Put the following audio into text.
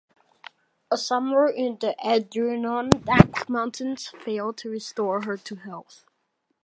A summer in the Adirondack Mountains failed to restore her to health.